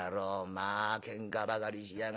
まあケンカばかりしやがって。